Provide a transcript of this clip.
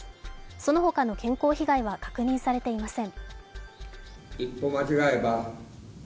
そのほかの健康被害は確認されていません。